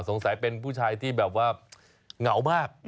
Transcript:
สงสัยเป็นผู้ชายที่แบบว่าเหงามาก